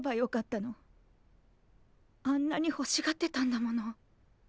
あんなにほしがってたんだもの。